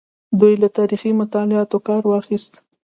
دوی له تاریخي مطالعاتو کار واخیست.